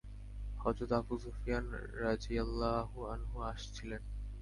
হযরত আবু সুফিয়ান রাযিয়াল্লাহু আনহু আসছিলেন।